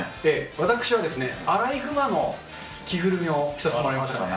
私はアライグマの着ぐるみを着させてもらいましたね。